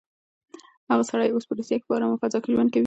هغه سړی اوس په روسيه کې په ارامه فضا کې ژوند کوي.